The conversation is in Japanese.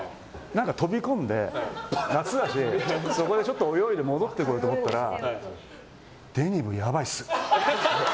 飛び込んで、夏だしそこでちょっと泳いで戻ってこようと思ったらデニム、やばいっす。